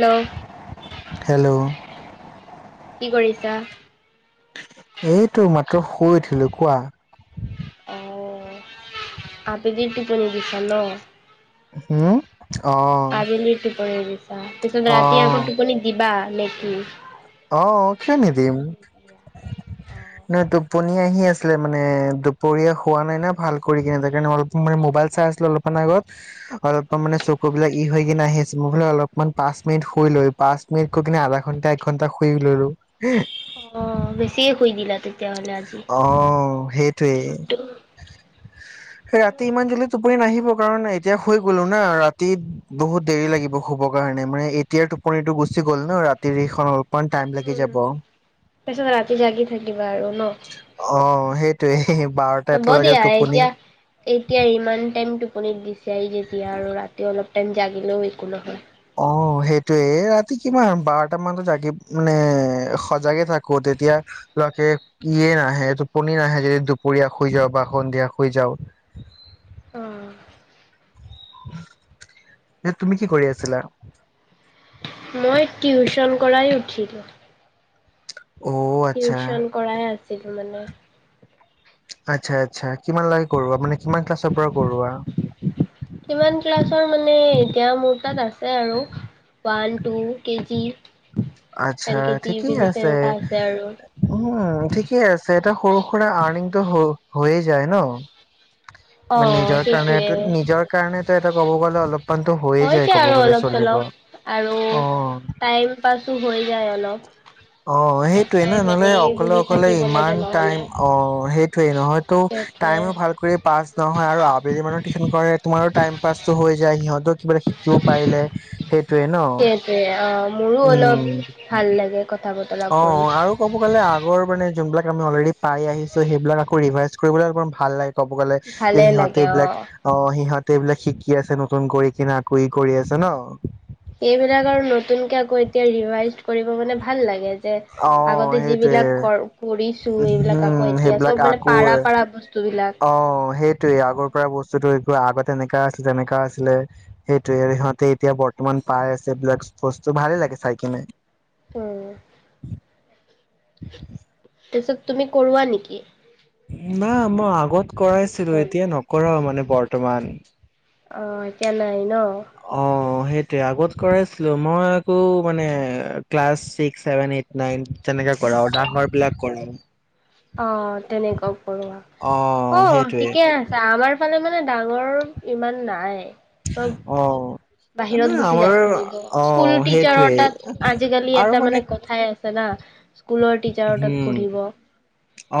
Hello hello কি কৰিছা? এইটো মাত্ৰ শুই উঠিলো কোৱা? অ আবেলিৰ টোপনি দিছা ন। হম। অ কালি লৈ কি কৰিবি। তাৰপিছত অ ৰাতি আকৌ টোপনি দিবা? লেকি? অ কিয় নিদিম ন তুক। টোপনি আহি আছিলে মানে দুপৰীয়া হোৱা নাই না ভাল কৰি কিনে অলপ মানে মোবাইল চাই আছিলে অলপমান আগত অলপমান মানে চকু বিলাক ই হৈ কিনে আহি আছে মই ফালে অলপমান পাঁচ মিনিট শুই লৈ পাঁচ মিনিট কৈ কিনে আধা ঘণ্টা? ঘন্টা শুই ললো? অ বেছিয়ে শুই দিলা তু। অ সেইটোৱেই দিনটো। স ৰাতি ইমান যদি টোপনি নাহিব। কাৰণ এতিয়া শুই গ'লো না ৰাতি বহুত দেৰি লাগিব শুব কাৰণে মানে এতিয়াৰ টোপনিটো গুচি গ'ল ন ৰাতিৰ সখন অল। উ তাৰপিছত ৰাতি জাগি থাকিবা আৰু ন। অ সেইটো? তে। হ'ব দিয়া এতিয়া এতিয়া ইমান টাইম। টুপনিত বিচাৰি যেতিয়া আৰু ৰাতি অলপ টাইম জাগিলেও একো নহয়? অ সেইটোয়ে ৰাতি কিমান বাৰটাামান জাগি মানে সজাগে থাকো তেতিয়া লকে ইয়ে নাহে এইটো পনী নাহে যদি দুপৰীয়া শুই যাও বা সন্ধিয়া শুই যাও? অ। যে তুমি কি কৰি আছিলা? মই টিউচন কৰাই উঠিলোঁ? অ' আচ্ছা টিউচন কৰাই আছো? আছিলো মানে। আচ্ছা আচ্ছা কিমান লে কৰা মানে কিমান ক্লাছৰ পৰা কৰোৱা? কিমান ক্লাছৰ মানে এতিয়া মোৰ তাত আছে আৰু ওৱান টু কেজি? এল আচছা কেজি ইউ ঠিকেই কেজি আছে তেনেকুৱা আৰু উম ঠিকেই আছে এতি সৰু সুৰা আৰ্নিংটো হৈয়েই? যায় ন। মানে নিজৰ কাৰণেটো সেইটোৱে নিজৰ কাৰণেটো এটা ক'ব গ'লে অলপমান? হৈ য আৰু অলপ চলপ আৰু অ', টাইম পাছো হৈ যায় অলপ। অ সেইটোৱে ন টাইম নহ'লে এনেই অকলে বহি অকলে থাকিব ইমান লাগে টাইম নহ'লে অ সেইটোয়ে নহয় তো সেইটোৱে টাইমো ভাল কৰি পাছ নহয় আৰু আবেলি মানে টিউচন কৰে তোমাৰো টাইম পাছো হৈ যায় সিহঁতো? কিবা এটা শিকিব পাৰিলে সেই। সেইটোয়ে অ মোৰো অলপ উম। ভাল লাগে কথা বতৰা অ কৰি আৰু ক'ব গ'লে আগৰ মানে কুম্ভকৰ্ণ অলৰেডি পাইয়ে আহিছে সেইবিলাক আকৌ ৰিভাইজ ফুৰিবলৈ একদম ভাল লাগে ক'ব গ'লে যে ভালে সিহঁতে লাগে এইবিলাক অ সিহঁত সেবিলাক শিকি আছে নতুন কৈ কৰি কিনে আক কৰি আছে ন এইবিলাক আৰু নতুনকে আকৌ এতিয়া ৰিভাইজ কৰিব মানে ভাল লাগে অ আগতে সেইটোৱে যিবিলাক কৰিছো এইবিলাক উম আকৌ এতিয়া চব সেইবিলাক মানে আকৌ পাৰা পাৰা বস্তু বিলাক অ সেইটোৱেই আগৰ পৰা বস্তুতটো ত আগতে এনেকা আছিলে তেনেকা আছিলে সেইটো সিহঁতে এতিয়া বৰ্তমান পাই আছে এই বিলাক বস্তু ভালেই লাগে চাই কিনে অ তাৰপিছত তুমি কৰোৱা নেকি নাই মই আগত কৰাইছিলো টিউচন? এতিয়া নকৰাও মানে বৰ্তমান অ এতিয়া নাই ন অ সেটোৱে আগত কৰাইছিলো মই আকৌ মানে class six seven eight nine তেনেকে কৰাও আৰু ডাঙৰ বিলাক কৰাও অ তেনেকুৱা কৰা অ ঠিকে আছে আমাৰ ফালে মানে ডাঙৰ ইমান নাই চব অ', মানে বাহিৰত গুচি আমাৰ যাই ফুৰিব স্কুল অ', টিছাৰৰ সেইটোৱে তাত আজিকালি এটা মানে কথাই আছে [unintelligible] [unintelligible] টিচাৰৰ তাত উম পঢ়িব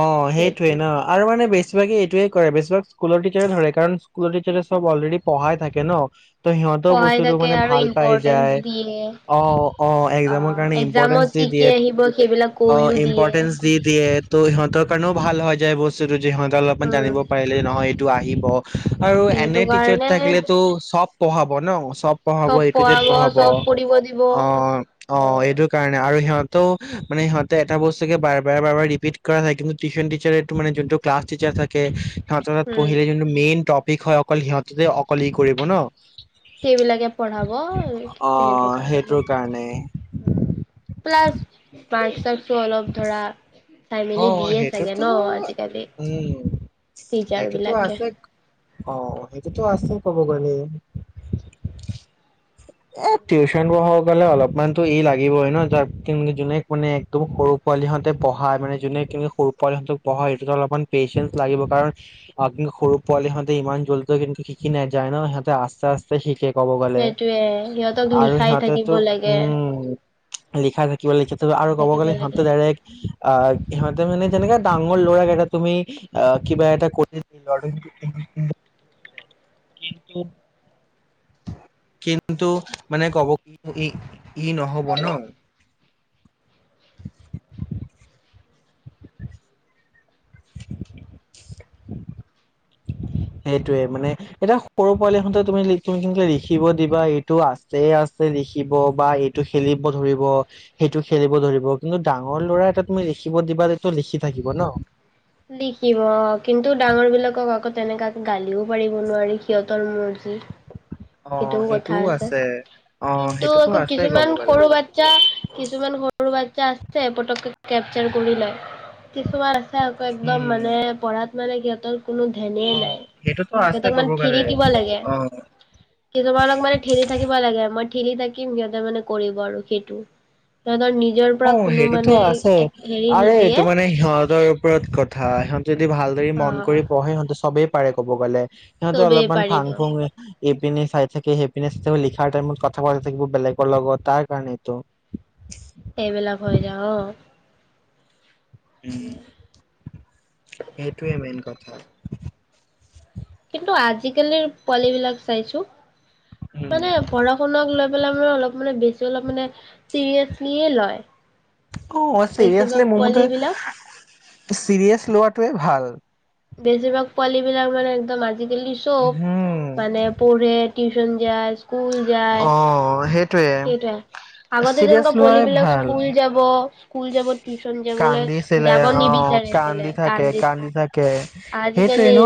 অ সেইটোৱে সেইটো। ন আৰু মানে বেছি বেছিভাগে এইটোৱে কৰে বেছিভাগ স্কুলৰ টিছাৰে ধৰে কাৰণ স্কুলৰ টিছাৰে চব অলৰেডি পঢ়াই থাকে ন ত সিহঁতেও পঢ়াই বস্তুটো থাকে মানে আৰু ভাল পাই ইম্পৰ্টেঞ্চ যায় দিয়ে। অ অ একজামৰ অ' কাৰণে ইম্পৰটেন্ট এক্জামত দি কি কি দিয়ে আহিব সেইবিলাক অ কৈও দিয়ে। ইম্পৰ্টেন্স দি দিয়ে তো ইহঁতৰ কাৰণেও ভাল হয় হৈ যায় বস্তুটো সিহঁতৰ অলপ উম, জানিব পাৰিলে নহয় টো আহিব আৰু সেইটো এনে টিছাৰ কাৰণে থাকিলেতো চব পঢ়াব ন চব পঢ়াব এ টো যেত পঢ়াব অ চব পঢ়িব দিব। অ উম, এইটোৰ কাৰণে আৰু সিহঁত তো মানে এটা বস্তু কে বাৰ বাৰে বাৰ বাৰ ৰিপিট কৰা হয় কিন্তু টিউশন টিচাৰ মান যোনটো ক্লাছ টিচাৰ থাকে হঠাৎ উম, পঢিলে যোনটো মেইন টপ বিষয় অকল সিহঁতেতে অকল ই কৰিব ন! সেইবিলাকে পঢ়াব অ সেইটো কাৰণে সেইটোৰ কাৰণে প্লাচ চছো অলপ ধৰা চাই অ মেলি দিয়ে চাগে সেইটোতো ন আজিকালি উম টিচাৰ সেইটোতো বিলাকে । আছে অ সেইটোতো আছে কব গলে এ টিউচন পঢ়াব গলে অলপমানতো ই লাগিবই ন যোনে মানে একদম সৰু পোৱালী হহঁতে পঢ়াই মানে যোনে কিন্তু সৰু পোৱাল সহঁতক পঢ়া সটোত অলপমান পেচেন্ঞ্চ লাগিব কাৰণ কিন্তু সৰু পোৱালি সহঁতে ইমান জ্বল কিন্তু শিকি নাযায় ন সিহঁতে আস্তে আস্তে শিকে । সেইটোয়ে সিহঁতক লিখাই থাকিব সিহঁতেতো লাগে উম লিখা দেখা কি লিখাই আৰু ক'ব থাকিব গলে সিহঁতে লাগে। ডাইৰেক্ আহ মানে যেনেকে ডাঙৰ ল'ৰাক এটা তুমি, আহ কিবা এটা কৰি কি কিন্তু মানে কব কি ই ই নহব ন [unintelligible] সেইটোয়ে মানে এটা সৰু পোৱালি হতে তুমি তুমি লিখিম কে লিখিব দিবা এইটো আছে আছে লিখিব বা এইটো খেলিব ধৰিব সেইটো খেলিব ধৰিব কিন্তু ডাঙৰ ল'ৰা এটা তুমি লিখিব দিবা এইটো লিখি থাকিব ন । লিখিব কিন্তু ডাঙৰ বিলাকক আকৌ তেনেকাক গালিও পাৰিব নোৱাৰি সিহঁতৰ মৰ্জি । সেইটোও কথা আছে অ', কিন্তু সেইটোতো আকৌ আছে ক'ব কিছুমান গ'লে সৰু বাচ্ছা কিছুমান সৰু বাচ্ছা আছে পতককে কেপচাৰ কৰি লয় । কিছুমান আছে আকৌ একদম উম, মানে পঢ়াত মানে সিহঁতৰ কোনো অ ধ্যানেই নাই। সেইটোতো আছে সিহঁতক কব মানে ঠেলি গলে অ তোমালোক মানে ঠেলি থাকিব লাগে মই ঠেলি থাকিম সিহঁতে মানে কৰিব আৰু সেইটো । অ সেইটোতো আছে হেৰি আৰে নিদিয়ে এইটো মানে সিহঁতৰ ওপৰত কথা । হিহঁত যদি ভালদৰি অ মন কৰি পঢ়ে সিহঁতে সবেই, পাৰে ক'ব গ'লে সিহঁতে চবেই অলপমান ভাং পাৰিব। ফুং ইপিনে চাই থাকে সেইপিনে চাই থাক লিখাৰ টাইমত কথা পাতি থাকিব বেলেগৰ লগত তাৰ কাৰণতো এইবিলাক হৈ যা অ । উম সেইটোৱে মেইন কথা [inaudible] কিন্তু আজিকালিৰ পোৱালিবিলাক চাইছো, উম। মানে পঢ়া শুনাক বিলাক মানে অলপ মানে বেছি অলপ মানে চিৰিয়াচলিয়ে লয় । অ অ চিৰিয়াচলি মোৰ মতে বিলাক চিৰিয়েছ লোৱাটোৱে ভাল বেছিভাগ পালিবিলাক মানে একদম আজি ইংলিছপ উম, মানে পঢ়ে টিউচন ন যছ [unintelligible] স্কুল যায় অ', সেইটোৱে। সেইটোৱেই আগতে চিৰিয়াছ যেনেকুৱা লোৱাই পোৱবিলাক ভাল। স্কুল যাব স্কুল যাব টিউচন যাবলে কান্দিছিলে যাব নিবিচাৰিছিলে কান্দিছিলে কে সেইটোৱে ন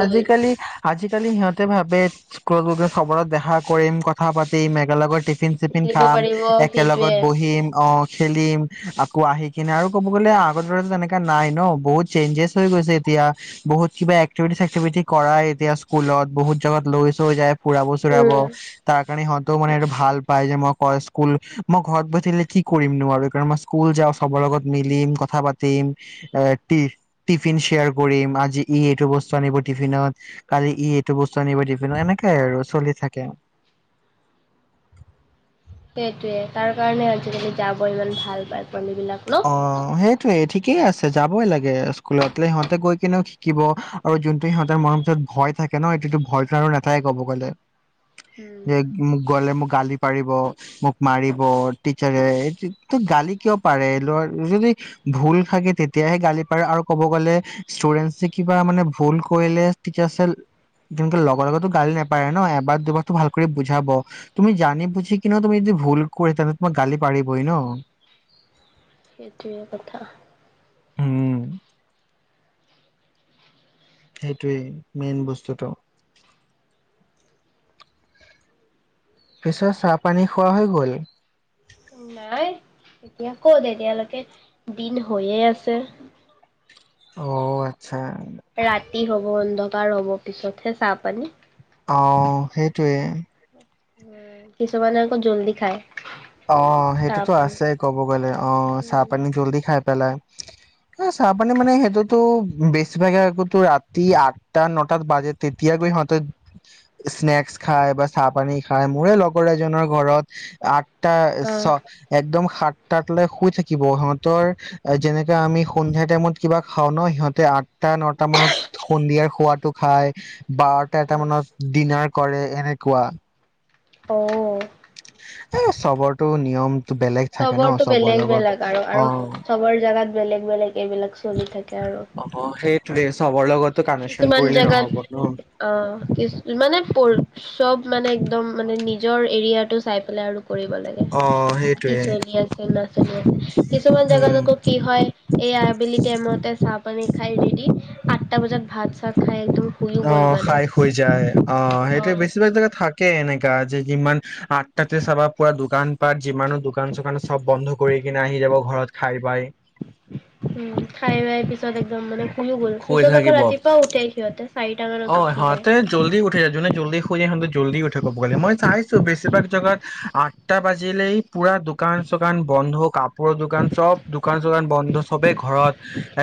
গ'ল আজিকালি আজিকালি সিহঁতে ভাবে স্কুলত সবত দেখা কৰিম কথা পাতিম একেলগৰ তিফিন চিফিন খেলিব খাম পাৰিব সেইটোৱে একেলগত বহিম অ খেলিম আকৌ আহি কিনে আৰু ক'ব গ'লে আগৰ দৰে তেনেককাা নাই ন বহুত চেঞ্জেছ হৈ গৈছে এতিয়া বহুত কিবা এক্টিভিটি চ্টিভিটি কৰাই এতিয়া স্কুলত বহুত জগাত লৈ চৈ যায় ফুৰাব চুৰাব উম তাৰ কাৰণে সিঁহত তোকমানে ভাল পায় যে মই ক স্কুল মই ঘৰত বহি থাকিলে কৰিম নো বাৰ এইকাৰণ মই স্কুল যাওঁ সবৰ লগত মিলিম কথা পাতিম এ টিফিন শ্বেয়াৰ কৰিম আজি ই এইটো বস্তু আনিব টিফিনত কালি ই এইটো বস্তু আনিব টিফিনত এনেকাই আৰু চলি থাকে সেটোয়ে তাৰ কাৰণে আজিকালি যাব ইমান ভাল পাই অ সেইটয়ে ঠিক কি আছে যাবই লাগে স্কুলত সিহঁতে গৈ কেনেও শিকিব আৰু যোনটো সিহঁতৰ মনত যে ভয় থাকে ন সেটোতো ভয় খাই আৰু নাথাকে কব গলে উম। যে মোক গলে মোক গালি পাৰিব মোক মাৰিব টিচাৰে হেটোট গালি কিয় পাৰে যদি ভুল থাকে তেতিয়াহে গালি পাৰে আৰু ক'ব গ'লে ষ্টুডেন্ট কিবা মানে ভুল কৰিলে টিচাৰ চেল তেনে লগৰ লগতো গালি নাপাৰে ন এবাৰ দুবাৰতো ভাল কৰি বুজাব তুমি জানি বুজি কিনিও তুমি য ভুল কৰি তেনে তোমাক গালি পাৰিবই ন সেইটোৱে কথা উম সেইটোৱেই মেইন বস্তুটো পিছে চাহপানী খোৱা হৈ গ'ল নাই এতিয়া ক'ত এতিয়ালৈকে দিন হৈয়ে আছে অ আচ্ছা ৰাতি হব অন্ধকাৰ হ'ব পিছতহে চাহ পানী আউ সেইটোৱে উ কিছুমানে আকৌ জল্দি খায় অ সেইটোতো চাহপানী। আছে ক'ব গ'লে অ চাহ পানী জল্দি খাই পেলাই হে চাহ পানী মানে সেইটোতো বেছিভাগে আগোটো ৰাতি আঠটা নটাত বাজে তেতিয়াগৈ সিহঁতে স্নেক্স খায় বা চাহ পানী খাই মোৰে লগৰ এজনৰ ঘৰত আ টা চ অহ একদম স তাত লৈ শুই থাকিব সিহঁতৰ যেনেকা আমি সন্ধিয়া টাইমত কিবা খাও ন সিহঁতে আঠটা নটা মানত সন্ধিয়াৰ খোৱটো খায় বাৰটা এটা মানত ডিনাৰ কৰে এনেকুৱা অ অ এ চবৰতটো নিয়ম চবৰটো বেলেগ বেলেগ আৰু আৰু অ চবৰ জোগাত বেলেগ বেলেগ এইবিলাক চলি থাকে আৰু অ সেইটোৱে চবৰ লগতো কানেকচন কিছুমান কৰিলে নহব জেগাত ন। অ কি মানে চব মানে একদম মানে নি নিজৰ এৰিয়াটো চাই পেলাই আৰু কৰিব লাগে অ কি সেইটোৱে চলি আছে নাজানো হয় [unintelligible] কিছুমান জাগাত উম আক কি হয়? এই আবেলি টাইমতে চাহ পানী খাই ৰেদি আঠটা বজাত ভাত চাত খাই একদম শুইও অ গ'ল মানে। খাই হৈ যায় অ সেইটো অ'। বেছিভাগ জেগা থাকে এনেকে যে কিমান আঠটাতে চাবা পুৰা দোকান পাত যিমানো দোকান চোকান চব বন্ধ কৰি কিনে আহি যাব ঘৰত খাই পাই উম খাই বাই পিছত একদম মানে শুইও গ'ল শুই পিছত আকৌ থাকিব। ৰাতিপুৱা উঠাইছে সিহঁতে । অ সিহঁতে জল্দি উঠি যুনে জল্দি শুই যায় সিহঁতে জল্দি উঠে। ক'ব গলে মই চাইছো বেছিভাগ জেগাত আঠটা বাজিলেই পুৰা দোকান চোকান বন্ধ কাপোৰৰ দোকান চব দোকান চোকান বন্ধ চবেই ঘৰত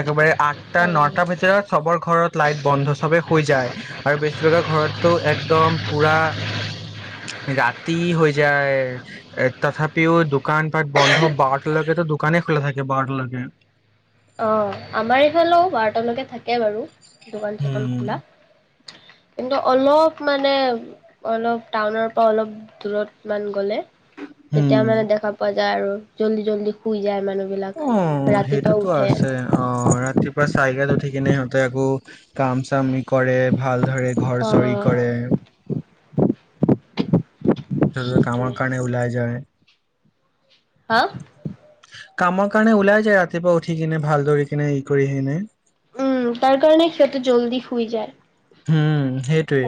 একেবাৰে আঠটা ন অ'। টা ভিতৰত চবৰ ঘৰত লাইট বন্ধ চবে যায় আৰু বেছিভাগ ঘৰতো একদম পুৰা [unintelligible] ৰাতি হৈ যায় এ তথাপিও দোকান পাট বন্ধ বাৰটালৈকেতো দোকানেই খোলা থাকে বাৰটালৈকে অ আমাৰ ইফালেও বাৰটালৈকে থাকে বাৰু দোকান চোকান হম খোলা কিন্তু অলপ মানে অলপ টাউনৰ পৰা অলপ দূৰত মান গ'লে তেতিয়া হম মানে দেখা পোৱা যায় আৰু জল্দি জল্দি শুই যায় মানুহ বিলাক অ', ৰাতিপুৱা সেইটোতো উ আছে অ ৰাতি ৰাতিপুৱা চাৰিটাত উঠি কিনে সিহঁতে আকৌ কাম চাম কৰে ভালদৰে ঘৰ চৰি কৰে। উ [unintelligible] তাৰপাছত কামৰ সেইটোৱে। কাৰণে ওলাই যায়। হা কামৰ কাৰণে ওলাই যায়, ৰাতিপুৱা উঠি কিনে ভাল ধৰি কিনে ই কৰি সিনে উম তাৰ কাৰণে সিহঁতে জল্দি শুই যায়। হম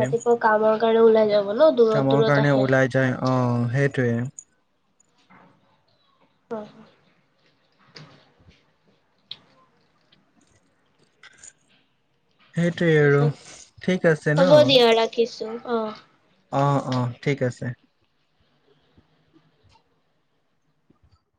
ৰাতিপুৱা কাম কৰি ওলাই যাম। কামৰ কাৰণে ওলাই যায়, অহ সেইটোৱে অহ সেইটোৱে আৰু। পিছত, ঠিক আছে ন হ'ব দিয়া ৰাখিছো। অ অ, অ ঠিক আছে।